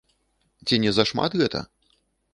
Ці не зашмат гэта?